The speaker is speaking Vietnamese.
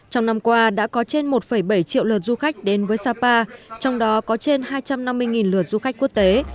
trong năm qua đã có trên một bảy triệu lượt du khách đến với sapa trong đó có trên hai trăm năm mươi lượt du khách quốc tế